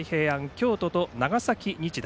京都と長崎日大。